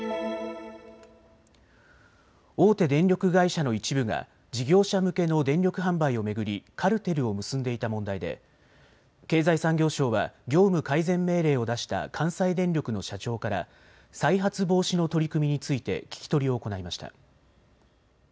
大手電力会社の一部が事業者向けの電力販売を巡りカルテルを結んでいた問題で経済産業省は業務改善命令を出した関西電力の社長から再発防止の取り組みについて聞き取りを行いました。